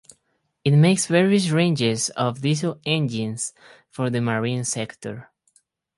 It makes various ranges of diesel engines for the marine sector.